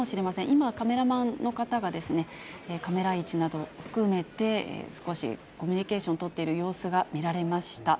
今、カメラマンの方がカメラ位置など含めて、少しコミュニケーションを取っている様子が見られました。